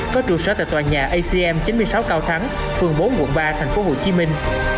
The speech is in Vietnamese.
có trụ sở tại tòa nhà acm chín mươi sáu cao thắng phường bốn quận ba thành phố hồ chí minh